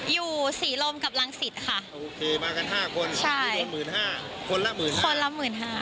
อยู่ศรีลมกับรังสิตค่ะโอเคมากันห้าคนใช่หมื่นห้าคนละหมื่นห้าคนละหมื่นห้า